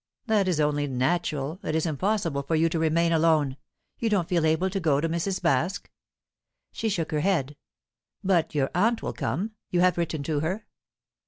"That is only natural. It is impossible for you to remain alone. You don't feel able to go to Mrs. Baske?" She shook her head. "But your aunt will come? You have written to her?"